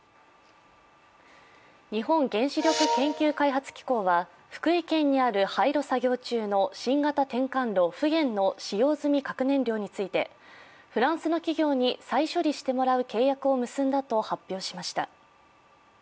日本原子力研究開発機構は福井県にある廃炉作業中の新型転換炉ふげんの使用済み核燃料についてフランスの企業に再処理してもらう契約を結んだと発表しました。